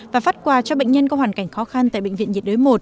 và phát quà cho bệnh nhân có hoàn cảnh khó khăn tại bệnh viện nhiệt đới một